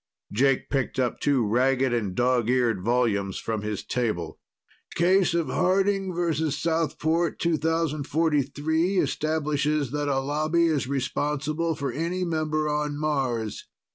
Jake picked up two ragged and dog eared volumes from his table. "Case of Harding vs. Southport, 2043, establishes that a Lobby is responsible for any member on Mars.